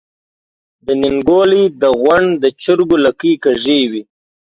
د نينګوَلۍ د غونډ د چرګو لکۍ کږې وي۔